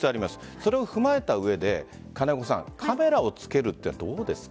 それを踏まえた上でカメラを付けるというのはどうですか？